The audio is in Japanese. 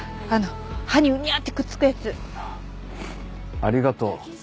ありがとう。